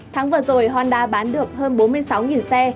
tháng vừa rồi honda bán được hơn bốn mươi sáu xe